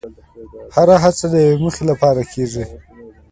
هره هڅه د یوې موخې لپاره کېږي.